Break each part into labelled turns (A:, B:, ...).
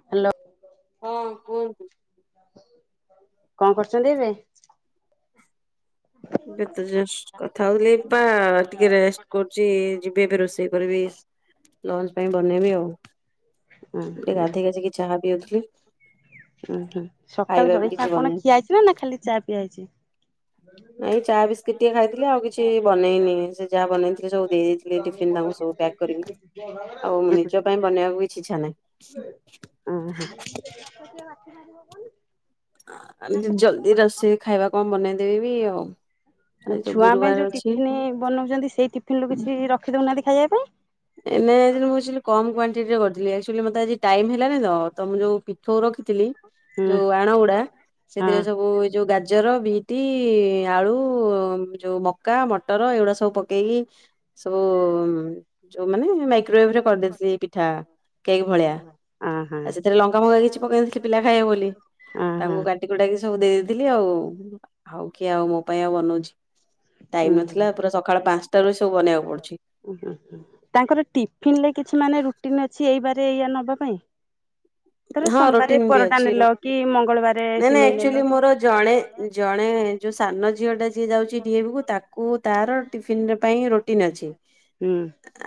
A: Hello
B: ହଁ କୁହନ୍ତୁ
A: କଣ କରୁଛନ୍ତି ଏବେ
B: ଏବେ ତ କଥା ହଉଥିଲି ବା ଟିକେ ରେଷ୍ଟ କରୁଛି ଯିବି ଏବେ ରୋଷେଇ କରିବି ଲଞ୍ଚ ପାଇଁ ବନେଇବି ଆଉ
A: ହଁ ହ
B: ଗାଧେଇକି ଆସିକି ଚାହା ପିଉଥିଲି
A: ଉ ହୁ ସକାଳେ ଜଳଖିଆ କଣ ଖିଆ ହେଇଛି ନା ଖାଲି ଚା ପିଆ ହେଇଛି
B: ନାଇଁ ଚା ବିସ୍କିଟ୍ ଟିକେ ଖାଇଥିଲେ ଆଉ କିଛି ବନେଇନି ସେ ଯାହା ବନେଇଥିଲେ ସବୁ ଦେଇେଇଥିଲେ ଦେଇଦେଇଥିଲି ସବୁ ପ୍ୟାକ୍ କରିବି ଆଉ ନିଜ ପାଇଁ ବନେଇବାକୁ କିଛି ଇଛା ନାହିଁ
A: ଓ ହୋ ତ ଟଏ ବାଖ ମାରିବ କଣ
B: ଜଲଦି ରୋଷେଇ ଖାଇବା କଣ ବନେଇଦେବିି ଆଉ ଆଜି ତ ଗୁରୁବାର ଅଛି
A: ବଉଛନ୍ତି ସେଇଥିପ ଟିଫିନ୍ ରୁ କିଛି ରଖି ଦଉନାହାନ୍ତି ଖାଇବା ପାଇଁ
B: ଏ ମୁଁ କମ କ୍ୱାଣ୍ଟିଟି ର କରିଥିଲି ମତେ ଆଜି ଟାଇମ ହେଲାନି ତ ମୁଁ ଯୋଉ ପିଠୋଉ ରଖିଥିଲି ଯୋଉ ଆଣ ଗୁଡା ସେଥିରେ ସବୁ ଯୋଉ ଗା ଗାଜର ବିଟି ଆଳୁ ଯେଉଁ ମକା ମଟର ଏଗୁଡ଼ା ସୁ ସବୁ ପକେଇକି ସବୁ ଯୋଉ ମାନେ ମାଇକ୍ରୋୱବରେ କରିଦେଇଥିଲି ପିଠା କେକ୍ ଭଳିଆ ଆଉ ସେଥିରେ ଲଙ୍କା ମଙ୍କା କିଛି ପକେଇ ଦେଇଥିଲି ପିଲା ଖାଇବେ ବୋଲି ତାଙ୍କୁ କା କାଟି କୁଟାକି ସବୁ ଦେଇଦେଇଥିଲି ଆଉ ହଉ କି ଆଉ ମୋ ପାଇଁ ଆଉ ବନଉଛି ଟାଇମ ନଥିଲା ପୁରା ସକାଳ ପାଞ୍ଚଟାରୁ ର ସବୁ ବନେଇବାକୁ ପଡୁଛି
A: ଓ ହ ତାଙ୍କର ଟିଫିନ ରେ କିଛି ମାନେ ରୁଟିନ ଅଛି ଏଇ ବାରେ ଏଇଆ ନବା ପାଇଁ ଧର ସୋମବାର ପରଟା ନେଲ କି ମଙ୍ଗଳବାର
B: ଆଚୁଆଲି ମୋର ଜଣେ ଜଣେ ଯୋଉ ସାନ ଝିଅ ଟା ଯିଏ ଯାଉଛି ଡିଏ ବିକୁୁ ତାକୁ ତାର ଟିଫିନ ପାଇଁ ରୋଟିନ୍ ଅଛି
A: ହୁଁ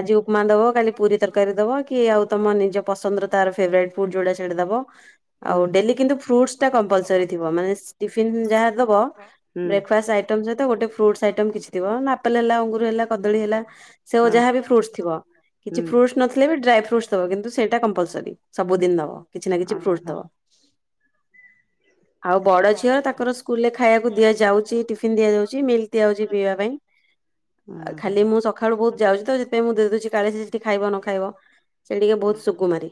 B: ଆଜି ଉପମା ଦବ କାଲି ପୁରୀ ତରକାରୀ ଦବ କି ଆଉ ତମ ନିଜ ପସନ୍ଦର ତାର ଫେବରାଇଟ ଫୁଡ ଯଉଟା ସେଟା ଦବ ଆଉ ଡେଲି କିନ୍ତୁ ଫ୍ରୁଟସ ଟା କମ୍ପୁଲ୍ସାରୀ ଥିବ ମାନେ ଟିଫିନ୍ ଯାହା ଦବ ବ୍ରେକ୍ଫାଷ୍ଟ ଆଇଟମ୍ ସହିତ ଗୋଟେ ଫ୍ରୁଟ୍ସ ଆଇଟମ୍ କିଛି ଥିବ ଆପଲ ହେଲା ଅଙ୍ଗୁର ହେଲା କଦଳୀ ହେଲା ସେ ଯାହାବି ଫ୍ରୁଟସ ଥିବ କିଛି ଫ୍ରୁଟସ୍ ନଥିଲେ ବି ଡ୍ରାଏ ଫ୍ରୁଟସ୍ ଦବ କିନ୍ତୁ ସେଇଟା କମ୍ପଲସରି ସବୁଦିନ ଦବ କିଛି ନା କିଛି ଫ୍ରୁଟସ୍ ଦବ। ଆଉ ବଡ ଝିଅ ତାଙ୍କର ସ୍କୁଲଲେ ଖାଇବାକୁ ଦିଆଯାଉଛି ଟିଫିିନ ଦିଆଯାଉଛି ମିଲ୍ ଦିଆଯାଉଛି ପିଇବା ପାଇଁ। ଖାଲି ମୁଁ ସକାଳୁ ବହୁତ ଯାଉଛି ତ ସେଥିପାଇଁ ମୁଁ ଦେଇ ଦଉଛି କାଳେ ସେ ସେଠି ଖାଇବ ନ ଖାଇବ। ସେ ଟିକେ ବହୁତ ସୁକୁମାରି,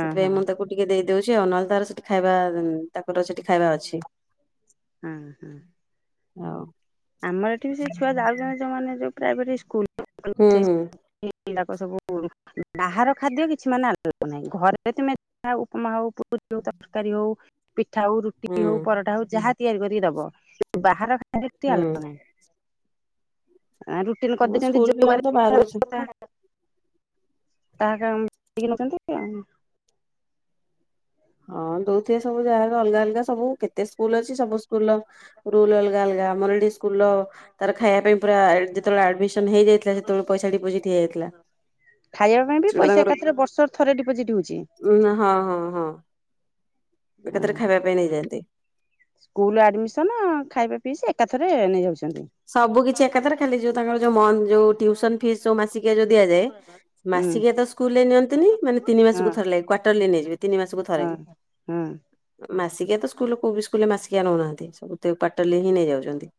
B: ସେଥିପାଇଁ ମୁଁ ତାକୁ ଟିକେ ଦେଇଦଉଛି ଆଉ ନହେଲେ ତାର ସେଠି ଖାଇବା ଉଁ ତାଙ୍କର ସେଠି ଖାଇବା ଅଛି, ଆଉ
A: ଆମର ଏଠି ସେ ଛୁଆ ଯାଉଛନ୍ତି ଯୋଉମାନେ ଯୋଉ ପ୍ରାଇଭେଟ୍ ସ୍କୁଲ୍।
B: ହୁଁ, ହୁଁ।
A: [unintelligible] ଯା ଉପମା ହଉ, ପୁରୀ ହଉ, ତରକାରୀ ହଉ। ପିଠା ହଉ, ରୁଟି ହଉ, ପରଟା ହଉ, ଯାହା ତିଆରି କରିକି ଦବ ବାହାର ଖା [unintelligible] [unintelligible]
B: ହଁ ଦଉଥିବେ ସବୁ ଯାହାର ଅଲଗା ଅଲଗା ସବୁ କେତେ ସ୍କୁଲ ଅଛି ସବୁ ସ୍କୁଲଲ ରୁଲ୍ ଅଲଗା ଅଲଗା ଆମର ଏଠି ସ୍କୁଲଲ ତାର ଖାଇବା ପାଇଁ ପୁରା ଆଡ଼ ଯେତଳେ ଆଡ଼ମିସନ ହେଇଯାଇଥିଲା ସେତଳୁ ପଇସା ଡିପୋଜିଟ୍ ହେଇଯାଇଥିଲା।
A: ଖାଇଆ ପାଇଁ ବି ପଇସା ଏକାଥରେ ବର୍ଷରେ ଥରେ ଡିପୋଜିଟ୍ ହୋଉଚି?
B: ଉଁ ନା ହଁ ହଁ ହଁ। ଏକାଥରେ ଖାଇବା ପାଇଁ ନେଇଯାଆନ୍ତି।
A: ସ୍କୁଲ୍ ଆଡ଼ମିସନ ଖାଇବା ପିସ୍ ଏକାଥରେ ନେଇଯାଉଛନ୍ତି।
B: ସବୁ କିଛି ଏକାଥରେ ଖାଲି ଯୋଉ ତାଙ୍କର ଯୋଉ ମନ୍ ଯୋଉ ଟିଉସନ ଫିସ୍ ଯୋଉ ମାସିକିଆ ଯୋଉ ଦିଆଯାଏ। ମାସିକିଆ ତ ସ୍କୁଲଲେ ନିଅନ୍ତିନି ମାନେ ତିନି ମାସକୁ ଥରେ ଲାଗେ କ୍ୱାର୍ଟର୍ଲି ନେଇଯିବେ ତିନି ମାସକୁ ଥରେ।
A: ହଁ।
B: ମାସିକିଆ ତ ସ୍କୁଲଲେ କୋଉ ବି ସ୍କୁଲଲେ ମାସିକିଆ ନୋଉନାହାନ୍ତି? ସବୁ ତେ କ୍ୱାର୍ଟରଲି ହିଁ ନେଇଯାଉଚନ୍ତି।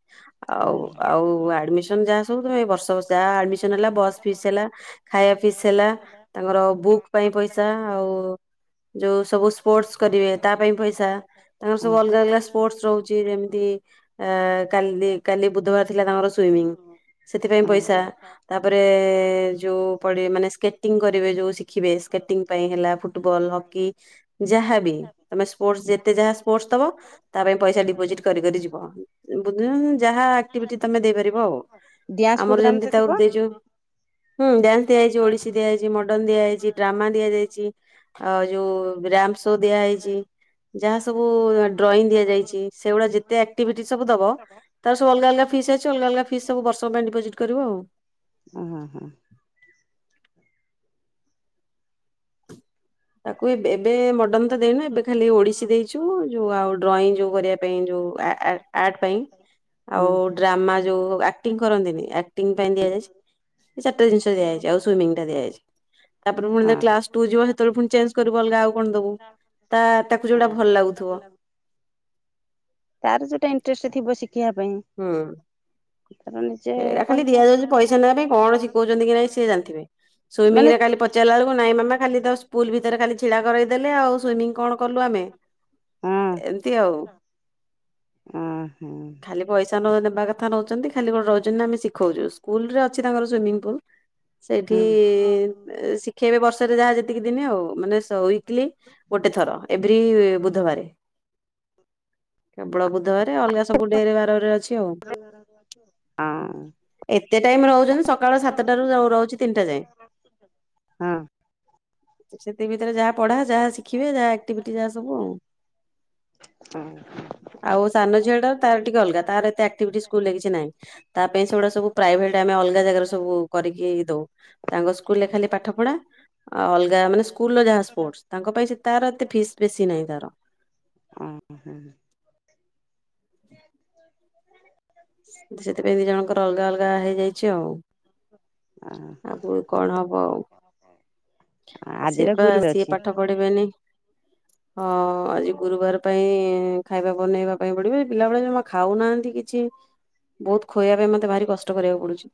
B: ଆଉ ଆଉ ଆଡ଼ମିସନ ଯାହା ସବୁ ତମେ ଏ ବର୍ଷ ଯାହା ଆଡ଼ମିସନ ହେଲା, ବସ୍ ଫିସ୍ ହେଲା ଖାଇଆ ପିସ୍ ହେଲା, ତାଙ୍କର ବୁକ୍ ପାଇଁ ପଇସା, ଆଉ ଯୋଉ ସବୁ ସ୍ପୋର୍ଟ୍ସ କରିବେ ତା ପାଇଁ ପଇସା। ତାଙ୍କର ସବୁ ଅଲଗା ଅଲଗା ସ୍ପୋର୍ଟ୍ସ ରହୁଛି ଯେମିତି ଆ କାଲି ଦେ କାଲି ବୁଧବାର ଥିଲା ତାଙ୍କର ସୁଇମିଂ ସେଥିପାଇଁ ପଇସା। ତାପରେ-ଏ ଯୋଉ ପଡ଼ିବେ ମାନେ ସ୍କେଟିଂ କରିବେ ଯୋଉ ଶିଖିବେ ସ୍କେଟିଂ ପାଇଁ ହେଲା ଫୁ ଟୁବଲ, ହକି ଯାହାବି ତମେ ସ୍ପୋର୍ଟ୍ସ ଯେତେ ଯାହା ସ୍ପୋର୍ଟ୍ସ ଦବ ତା ପାଇଁ ପଇସା ଡିପୋଜିଟ୍ କରି କରି ଡ଼ିଯିବ ବୋଧେ ଯାହା ଆକ୍ଟିଭିଟି ତମେ ଦେଇପାରିବ ଆଉ, ଆମର ଯେମିତି ତାକୁ ଦେଇଚ୍ ଯୋଉ ହୁଁ ଡ୍ୟାନ୍ସ ଦିଆଇଛି, ଓଡିଶୀ ଦିଆଯାଇଛି, ମଡ଼ର୍ଣ୍ଣ ଦିଆଯାଇଛି, ଡ୍ରାମା ଦିଆଯାଇଛି। ଅ ଯୋଉ ରାମ୍ ଶୋ ଦିଆହେଇଚି ଯାହା ସବୁ ଡ୍ରଇଂ ଦିଆଯାଇଚି। ସେଇଗୁଡ଼ା ଯେତେ ଆକ୍ଟିଭିଟି ସବୁ ଦବ ତାର ସବୁ ଅଲ୍ଗା ଅଲ୍ଗା ଫିସ୍ ଅଛି ଅଲ୍ଗା ଅଲ୍ଗା ଫିସ୍ ସବୁ ବର୍ଷକ ପାଇଁ ଡିପୋଜିଟ୍ କରିବ ଆଉ।
A: ଅ ହଁ, ହଁ।
B: ତାକୁ ଏବ୍ ଏବେ ମଡନ୍ ତ ଦେଇନୁ ଏବେ ଖାଲି ଓଡିଶୀ ଦେଇ ଚୁ ଯୋଉ ଆଉ ଡ୍ରଇଂ ଯୋଉ କରିବା ପାଇଁ ଯୋଉ ଆ ଆ ଆର୍ଟ ପାଇଁ। ଆଉ ଡ୍ରାମା ଯୋଉ ଆକ୍ଟିଂ କରନ୍ତିନି ଆକ୍ଟିଂ ପାଇଁ ଦିଆଯାଇଛି। ଏ ଚାରିଟା ଜିନିଷ ଦିଆହେଇଛି ଆଉ ସୁଇମିଂ ଟା ଦିଆଯାଇଛି, ତାପରେ ପୁଣି ତା କ୍ଲାସ ଟୁ ଯିବ ସେତଳୁ ଫୁଣି ଚେଞ୍ଜ କରିବୁ ଅଲଗା ଆଉ କଣ ଦବୁ ତା ତାକୁ ଯୋଉଟା ଭଲ୍ ଲାଗୁଥୁବ।
A: ତାର ଯୋଉଟା ଇଣ୍ଟରେଷ୍ଟ ଥିବ ଶିଖିବା ପାଇଁ।
B: ହୁଁ।
A: ରନିସ୍
B: ଏଇରା ଖାଲି ଦିଆଯାଉଛି ପଇସା ନେବା ପାଇଁ କଣ ଶିଖୋଉଚନ୍ତି କି ନାଇଁ ସିଏ ଜାଣିଥିବେ, ସୁଇମିଂ ରେ କାଲି ପ ଚାଲା ଏଳୁକୁ ନାଇଁ ମାମା ଖାଲି ତ ସ୍କୁଲ ଭିତରେ ଖାଲି ଛିଡା କରେଇଦେଲେ ଆଉ ସୁଇମିଂ କଣ କଲୁ ଆମେ? ଏମିତି ଆଉ।
A: ହଁ ହଁ।
B: ଖାଲି ପଇସା ନୋଉ ନେବା କଥା ନୋଉଚନ୍ତି ଖାଲି କଣ ର ନା ଆମେ ଶିଖୋଉଚୁ ସ୍କୁଲରେ ଅଛି ତାଙ୍କର ସୁଇମିଙ୍ଗ ପୁଲ୍। ସେଇଠି-ଇ ଶିଖେଇବେ ବର୍ଷରେ ଯାହା ଯେତିକି ଦିନି ଆଉ ମାନେ ସ ୱିକ୍ଲିଲି ଗୋଟେଥର ଏଭ୍ରି-ଇ ବୁଧବାରେ। କେବଳ ବୁଧବାରେ ଅଲଗା ସବୁ ଡେରେ ବାରରେ ଅଛି ଆଉ।
A: ହଁ।
B: ଏତେ ଟାଇମ ରହୁଛନ୍ତି ସକାଳ ସାତଟାରୁ ଯୋଉ ରହୁଛି ତିନିଟା ଯାଏଁ। ସେତିକି ଭିତରେ ଯାହା ପଢା, ଯାହା ଶିଖିବେ, ଯାହା ଆକ୍ଟିଭିଟି ଯାହା ସବୁ ଆଉ। ଆଉ ସାନ ଝିଅଟା ତାର ଟିକେ ଅଲଗା ତାର ଏତେ ଆକ୍ଟିଭିଟି ସ୍କୁଲରେ କିଛି ନାହିଁ। ତା ପାଇଁ ସେଗୁଡା ସବୁ ପ୍ରାଇଭେଟ ଆମେ ଅଲଗା ଜାଗାରେ ସବୁ କରିକି ଦୋଉ। ତାଙ୍କ ସ୍କୁଲରେ ଖାଲି ପାଠପଢ଼ା ଆଉ ଅଲ୍ଗା ମାନେ ସ୍କୁଲର ଯାହା ସ୍ପୋର୍ଟ୍ସ ତାଙ୍କ ପାଇଁ ସେ ତାର ଏତେ ଫିସ୍ ବେଶୀ ନାହିଁ ତାର।
A: ଓ ହଁ।
B: ସେଥିପାଇଁ ଦି ଜଣଙ୍କର ଅଲ୍ଗା ଅଲ୍ଗା ହେଇଯାଇଛି ଆଉ।
A: [inaudible]
B: ଆଗକୁ କଣ ହବ ଆଉ। ସେ ବା ସି ଏ ପାଠ ପଡିବେନି ଆଜି ଗୁରୁବାର ପାଇଁ ଖାଇବା ବନେଇବା। କ ପଡିବ ପିଲାବେଳେ ଜମା ଖାଉନାହାନ୍ତି କିଛି। ବହୁତ ଖୁଆଇବା ପାଇଁ ମତେ ଭାରି କଷ୍ଟ କରିବାକୁ ପଡୁଛି।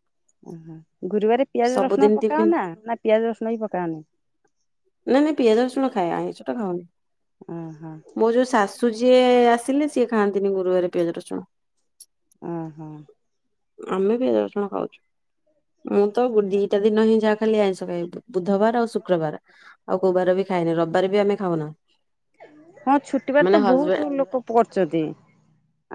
A: ଓହୋ ଗୁରୁବାର ପିଆଜ ରସୁଣ ପକାଅ ନା ନା ପିଆଜ ରସୁଣ ବି ପକାଅନି।
B: ନାଇଁ ନାଇ ପିଆଜ ରସୁଣ ଖାଏ ଆଇଁଷ ଟା ଖାଉନି।
A: ଓ ହଁ।
B: ମୋ ଯୋଉ ଶାଶୁ ଯିଏ ଆସିଲେ ସିଏ ଖାଆନ୍ତିନି ଗୁରୁବାର ପିଆଜ ରସୁଣ। [inaudible]
A: ହଁ ହଁ।
B: ଆମେ ବି ରସୁଣ ଖାଉଛୁ ମୁଁ ତ ଦିଟା ଦିନ ହିଁ ଯାହା ଖାଲି ଆଇଁଷ ଖାଇବି। ବୁଧବାର ଆଉ ଶୁକ୍ରବାର ଆଉ କୋଉବାର ବି ଖାଏନି ରବିବାର ବି ଆମେ ଖାଉନା।
A: ରବିବାର ତ ବହୁତ ଲୋକ କରୁଛନ୍ତି।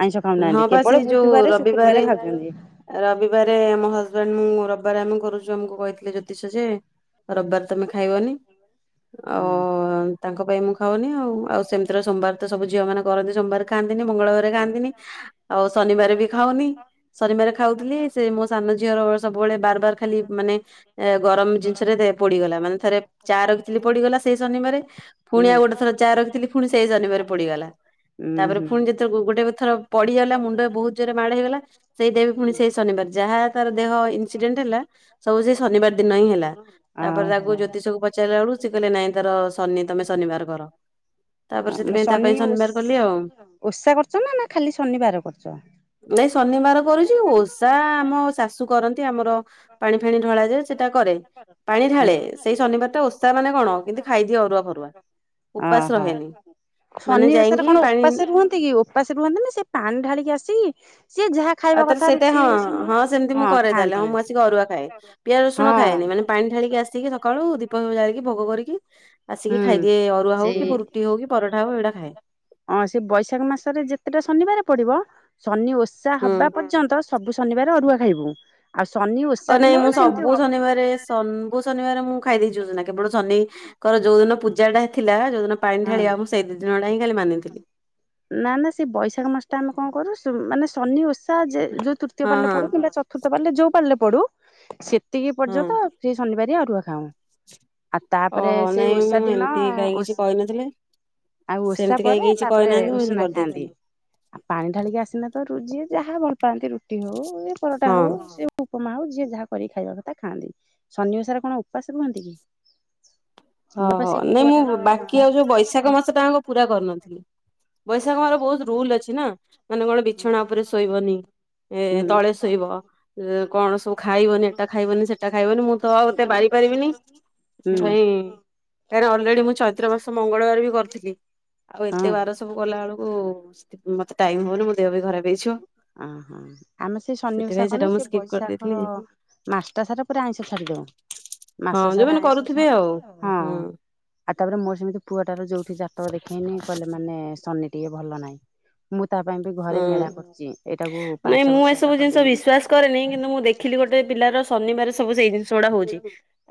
A: ଆଇଁଷ ଖାଉନାହାନ୍ତି କେବଳ ବୁଧବାର ଶୁକ୍ରବାରେ ଖାଉଛନ୍ତି।
B: ରବିବାରେ ଆମ ହଜବେଣ୍ଡ ମୁଁ ରବିବାର ଆମେ କରୁଛୁ ଆମକୁ କହିଥିଲେ ଜ୍ୟୋତିଷ ଯେ ରବିବାର ତମେ ଖାଇବନି ଆଉ ତାଙ୍କ ପାଇଁ ମୁଁ ଖାଉନି ଆଉ ଆଉ ସେମିତିର ସୋମବାର ତ ସବୁ ଝିଅ ମାନେ କରନ୍ତି ସୋମବାର ଖାଆନ୍ତିନି ମଙ୍ଗଳବାର ଖାଆନ୍ତିନି ଆଉ ଶନିବାର ବି ଖାଉନି। ଶନିବାରେ ଖାଉଥିଲି ସେ ମୋ ସାନ ଝିଅର ସବୁବେଳେ ବାର ବାର ଖାଲି ମାନେ ଗରମ ଜିନିଷରେ ପଡିଗଲା ମାନେ ଥରେ ଚା ରଖିଥିଲି ପଡିଗଲା ସେଇ ଶନିିବାରେ ପୁଣି ଆଉ ଗୋଟେଥର ଚା ରଖିଥିଲି ପୁଣି ସେଇ ଶନିବାରେ ପଡ଼ିଗଲା
A: ହୁଁ।
B: ପୁଣି ଯେତେବେଳେ ଗୋଟେ ଥର ପଡିଗଲା ମୁଣ୍ଡ ବହୁତ ଜୋରେ ମାଡ଼ ହେଇଗଲା। ସେଇଟା ବି ପୁଣି ସେଇ ଶନିବାର ଯାହା ତାର ଦେହ ଇନସିଡେଣ୍ଟ ହେଲା ସବୁ ସେଇ ଶନିବାର ଦିନ ହିଁ ହେଲା। ତାପରେ ତାକୁ ଜ୍ୟୋତିଷକୁ ପଚାରିଲା ବେଳକୁ ସେ କହିଲେ ନାଇଁ ତାର ଶନି ତମେ ଶନିବାର କର।
A: ଶନି ଓଷା କରୁଛ ନା ନା ଖାଲି ଶନିିବାର କରୁଛ।
B: ନାଇଁ ଶନିବାର କରୁଛି ଓଷା ଆମ ଶାଶୁ କରନ୍ତି ଆମର। ପାଣି ଫାଣି ଢଳାଯାଏ ସେଟା କରେ। ପାଣି ଢାଳେ ସେଇ ଶନିବାର ଟା ଓଷା ମାନେ କଣ କିନ୍ତୁ ଖାଇଦିଏ ଅରୁଆ ଫରୁଆ।
A: ଓହୋ ଶନିଓଷା ରେ କଣ ଉପାସ ରୁହନ୍ତି। ଉପାସ ରୁହନ୍ତି ନି ସେ ପାଣି ଢାଳି କି ଆସି ସିଏ ଯାହା।
B: ଆଉ ତାହେଲେ ସେଇଟା ହଁ ହଁ ସେମିତି ମୁଁ କରେ ତାହାଲେ ହଁ ମୁଁ ଆସିକି ଅରୁଆ ଖାଏ। ପିଆଜ ରସୁଣ ଖାଏନି ମାନେ ପାଣି ଢାଳିକି ଆସିକି ସକାଳୁ ଦୀପ ଜାଳିକି ଭୋଗ କରିକି। ଆସିକି ଖାଇଦିଏ ଅରୁଆ ହଉ କି ରୁଟି ହଉ କି ପରଟା ହଉ ଏଡା ଖାଏ।
A: ହଁ ସେ ବୈଶାଖ ମାସରେ ଯେତେଟା ଶନିବାର ପଡିବ ଶନି ଓଷା ହବା ପର୍ଯ୍ୟନ୍ତ। ସବୁ ଶନିବାର ଅରୁଆ ଖାଇବୁ। ଆଉ ଶନି।
B: ଓ ନାଇଁ ମୁଁ ସବୁ ଶନିବାରେ ଶ। ସବୁ ଶନିବାର ମୁଁ ଖାଇ ଦେଇଛି ଉଷୂନା କେବଳ ଶନିଙ୍କର ଯୋଉ ଦିନ ପୂଜା ଟା ଥିଲା ଯୋଉ ଦିନ। ପାଣି ଢାଳିବା ସେଇ ଦିନଟା ହିଁ ଖାଲି ମାନିଥିଲି।
A: ନା ନା ସେ ବୈଶାଖ ମାସ ଟା ଆମେ କଣ କରୁ ମାନେ ଶନି ଓଷା ଯେ ଯୋଉ ତୃତୀୟ ପାଳି ପଡୁ କିମ୍ବା ଚ। ଚତୁର୍ଥ ପାଳି ରେ ଯୋଉ ପାଳିରେ ପଡୁ ସେତିକି ପର୍ଯ୍ୟନ୍ତ ସେ ଶନିବାର ଅରୁଆ ଖାଉଁ। ଆଉ ତାପରେ ସେଇ ଓଷା ଦିନ। ଆଉ ଓଷା ପରେ ତାପରେ ଉଷୁନା ଖାଆନ୍ତି। ଆଉ ପାଣି ଢାଳିକି ଆସିଲେ ତ ଜିଏ ଯାହା ଭଲ ପାଆନ୍ତି ରୁଟି ହଉ ପରଟା ହଉ। ଉପମା ହଉ ଯିଏ ଯାହା କରିକି ଖାଇବା କଥା ଖାଆନ୍ତି ଶନିଓଷା ରେ କଣ ଉପାସ ରୁହନ୍ତି କି।
B: ଓ ହୋ ନାଇଁ ମୁଁ ବାକି ଆଉ ଯୋଉ ବୈଶାଖ ମାସ ଟା ପୁରା କରିନଥିଲି। ବୈଶାଖ ମାସ ରେ ବହୁତ ରୁଲ ଅଛି ନା ମାନେ କଣ ବିଛଣା ଉପରେ ଶୋଇବନି। ଏ ତଳେ ଶୋଇବ। କଣ ସବୁ ଖାଇବନି ଏଟା ଖାଇବନି ସେଟା ଖାଇବନି ମୁଁ ତ ଆଉ ଏତେ ବାରି ପାରିବିନି। ସେଥି ପାଇଁ ଆର ଅଲରେଡି ମୁଁ ଚୈତ୍ର ମାସ ମଙ୍ଗଳବାର ବି କରିଥିଲି ଆଉ ଏତେ ବାର ସବୁ କଲା ବେଳକୁ ମତେ ଟାଇମ ହଉନି ମୋ ଦେହ ବି ଖରାପ ହେଇଯିବ
A: ହଁ ହ ଆମେ ସେ ସନି ଓଷା କନେ ନା ସେ ବୈଶାଖ ମାସଟା ସାରା ପୁରା ଆଇଁଷ ଛାଡିଦଉଁ
B: ହଁ ଯୋଉମାନେ କରୁଥିବେ ଆଉ। ହୁଁ।
A: ଆଉ ତାପରେ ମୋର ସେମିତି ପୁଅ ଟା ର ଯୋଉଠି ଜାତ ଦେଖେଇନି କହିଲେ ମାନେ ଶନି ଟିକେ ଭଲ ନାହିଁ। ମୁଁ ତା ପାଇଁ ବି ଘରେ ମେଳା କରୁଛି ଏଇଟାକୁ ପାଞ୍ଚ ବର୍ଷ ହେଲା କଲେଣି। ନାଇଁ ମୁଁ ଏସବୁ ବିଶ୍ୱାସ କରେନି
B: ଦେଖିଲି ଗୋଟେ ପିଲାର ଶନିବାର ସବୁ ସେଇ ଜିନିଷ ଗୁଡା ହଉଛି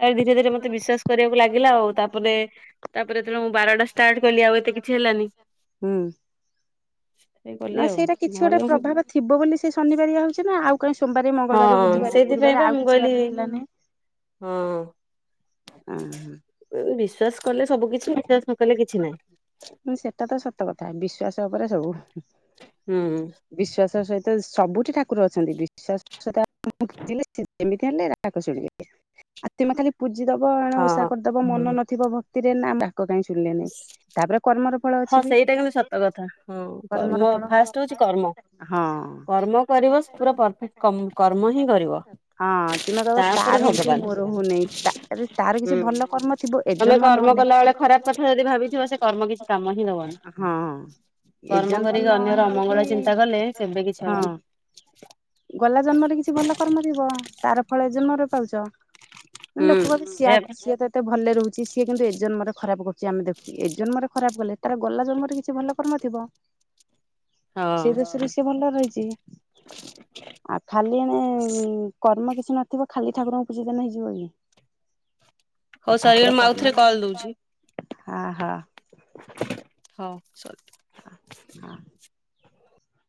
B: ଆ ଧୀରେ ଧୀରେ ମତେ ବିଶ୍ବାସ କରିବାକୁ ଲାଗିଲା ଆଉ ତାପରେ ତାପରେ ଯେତେବେଳେ ମୁଁ ବାରଟା ଷ୍ଟାର୍ଟ କଲି ଆଉ ଏତେ କିଛି ହେଲାନି
A: ହୁଁ। ନା ସେଇଟା କିଛି ଗୋଟେ ପ୍ରଭାବ ଥିବ ବୋଲି ସେ ଶନିବାରି ଆ ହଉଛି ନା ଆଉ କାଁ ସୋମବାରେ ମଙ୍ଗଳବାର ବୁଧବାର ଗୁରୁବାର ଆଉ ଆିବାର ଥିଲାନାଇ। [inaudible]
B: ହଁ।
A: ହୁଁ ହୁ।
B: ବିଶ୍ବାସ କଲେ ସବୁ କିଛି ବିଶ୍ଵାସ ନ କଲେ କିଛି ନାହିଁ।
A: ସେଟା ତ ସତ କଥା ବିଶ୍ଵାସ ଉପରେ ସବୁ।
B: ହୁଁ।
A: ବିଶ୍ବାସ ସହିତ ସବୁଠି ଠାକୁର ଅଛନ୍ତି ବିଶ୍ଵାସ ସହିତ ଆପଣ ଏମିତି ହେଲେ ରାଗ ଚିଡିଯିବ ଆଉ ତେମେ ଖାଲି ପୂଜି ଦବ ଏଣ ଓଷା କରିଦବ ମନ ନ ନଥିବ ଭକ୍ତିରେ ନା ଡାକ କାହିଁ ଶୁଣିଲେନି।
B: ହଁ ସେଇଟା କିନ୍ତୁ ସତ କଥା ହଁ କର୍ମ ଫାଷ୍ଟ ହଉଛି କର୍ମ।
A: ହଁ।
B: କର୍ମ କରିବ ପୁରା ପରଫେକ୍ଟ କମ କର୍ମ ହିଁ କରିବ।
A: ତେମେ କହିବ ତାର ହଉଛି ମୋର ହଉନାହିଁ ତାର କିଛି ଭଲ କର୍ମ ଥିବ
B: ତମେ କର୍ମ କଲା ବେଳେ ଖରାପ କଥା ଯଦି ଭାବିଥିବ ସେ କର୍ମ କିଛି କାମ ହିଁ ଦବନି। କର୍ମ କରିକି ଅନ୍ୟର ଅମଙ୍ଗଳ ଚିନ୍ତା କଲେ ସେଥିରେ କିଛି ହବନି।
A: ଗଲା ଜନ୍ମରେ କିଛି ଭଲ କର୍ମ ଥିବ ତାର ଫଳ ଏ ଜନ୍ମରେ ପାଉଛ। ଲୋକ କହନ୍ତି ସିଏ ସିଏ ତ କେତେ ଭଲରେ ରହୁଛି ସିଏ କିନ୍ତୁ ଏ ଜନ୍ମରେ ଖରାପ କରୁଛି ଆମେ ଦେଖୁଛୁ ଏ ଜନ୍ମରେ ଖରାପ କଲେ ତାର ଗଲା ଜନ୍ମରେ କିଛି ଭଲ କର୍ମ ଥିବ। ସେ ଦୋଶରେ ସିଏ ଭଲରେ ରହିଛି। ଆଉ ଖାଲି ଏଣେ କର୍ମ କିଛି ନଥିବ ଖାଲି ଠାକୁରଙ୍କୁ ପୂଜି ଦେଲେ ହେଇଯିବ କି।
B: ହଉ ସରିଗଲେ ମୁଁ ଆଉ ଥରେ କଲ୍ ଦଉଛି।
A: ହଁ ହଁ।
B: ହଁ ସ। [unintelligible]
A: ହଁ।